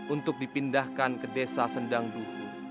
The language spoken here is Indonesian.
untuk dipindahkan ke desa sendang duhu